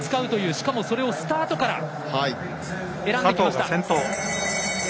しかも、それをスタートから選んできました。